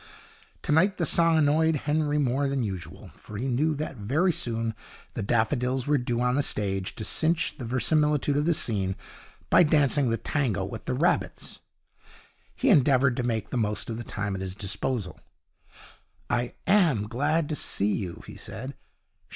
Tonight the song annoyed Henry more than usual, for he knew that very soon the daffodils were due on the stage to clinch the verisimilitude of the scene by dancing the tango with the rabbits. He endeavoured to make the most of the time at his disposal. 'I am glad to see you!' he said.